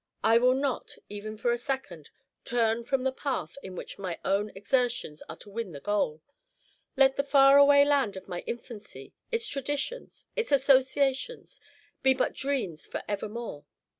I will not, even for a second, turn from the path in which my own exertions are to win the goal. Let the faraway land of my infancy, its traditions, its associations, be but dreams for evermore.